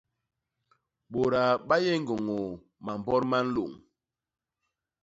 Bôdaa ba yé ñgôñôô mambot ma nlôñ.